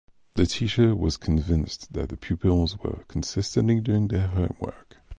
The teacher was convinced that the pupils were consistently doing their homework.